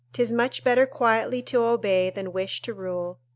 ["'Tis much better quietly to obey than wish to rule."